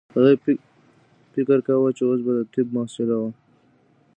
هغې فکر کاوه چې اوس به د طب محصله وه